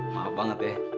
maaf banget ya